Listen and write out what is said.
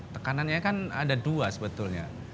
tekanannya kan ada dua sebetulnya